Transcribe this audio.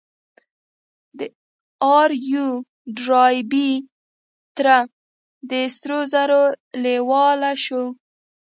د آر يو ډاربي تره د سرو زرو لېواله شو.